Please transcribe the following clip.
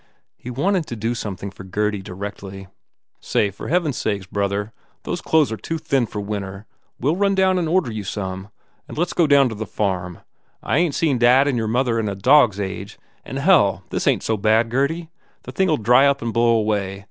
He wanted to do something for Gurdy directly. "Say, for heaven s sake, brother, those clothes are too thin for winter. We ll run down and order you some. And let s go down to the farm. I ain t seen dad and your mother in a dog s age. And hell, th s ain t so bad, Gurdy. The thing ll dry up and blow away.